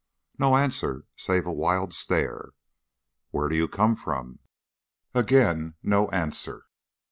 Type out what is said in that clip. No answer, save a wild stare. "Where do you come from?" Again no answer.